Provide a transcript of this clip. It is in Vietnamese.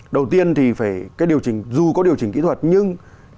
đầu tiên thì phải dù có điều chỉnh kỹ thuật nhưng